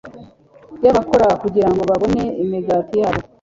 y'abakora kugirango babone imigati yabo;